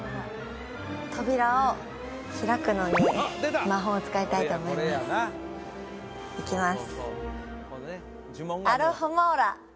扉を開くのに魔法を使いたいと思いますいきます